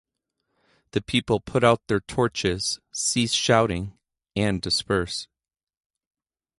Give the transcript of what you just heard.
The people put out their torches, cease shouting, and disperse.